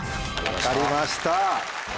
分かりました。